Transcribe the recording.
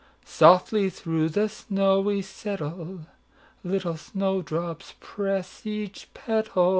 "Softly through the snow we settle, Little snow drops press each petal.